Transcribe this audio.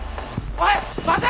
おい待て！